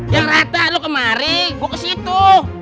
yang rata lu kemari gue ke situ